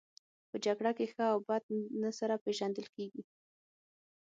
په جګړه کې ښه او بد نه سره پېژندل کیږي